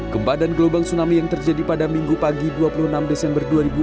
gempa dan gelombang tsunami yang terjadi pada minggu pagi dua puluh enam desember dua ribu dua puluh